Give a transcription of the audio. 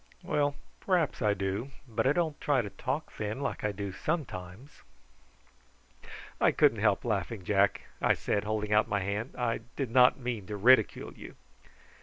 "Well, p'r'aps I do; but I don't try to talk thin, like I do sometimes." "I couldn't help laughing, Jack," I said, holding out my hand. "I did not mean to ridicule you."